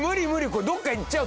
これどっか行っちゃう。